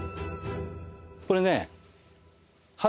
これね。